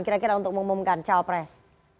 kira kira untuk mengumumkan cawapres